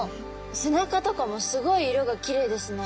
背中とかもすごい色がきれいですね。